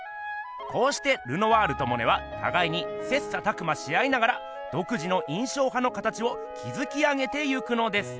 こうしてルノワールとモネはたがいに切磋琢磨し合いながらどく自の印象派の形をきずき上げていくのです。